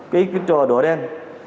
cái trò đỏ đen